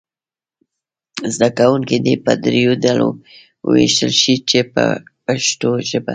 زده کوونکي دې په دریو ډلو وویشل شي په پښتو ژبه.